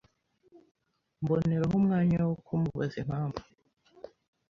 mboneraho umwanya wo kumubaza impamvu